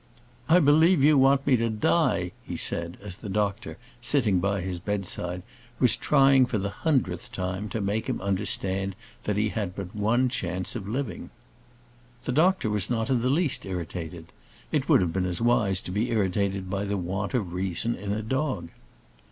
"I believe you want me to die," he said, as the doctor, sitting by his bedside, was trying, for the hundredth time, to make him understand that he had but one chance of living. The doctor was not the least irritated. It would have been as wise to be irritated by the want of reason in a dog.